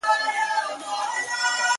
• هغه ولس چي د _